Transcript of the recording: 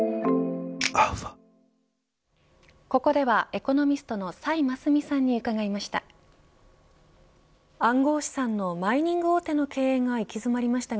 ここではエコノミストの崔真淑さんに伺いました。